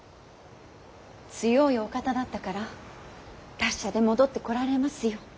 強いお方だったから達者で戻ってこられますよ。